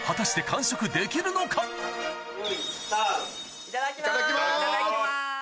いただきます。